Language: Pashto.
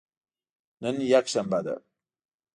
نن یکشنبه ده